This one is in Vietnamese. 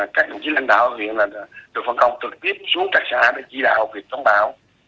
các đồng chí lãnh đạo ở huyện là được phân công trực tiếp xuống trạng xã để chỉ đạo việc chống bão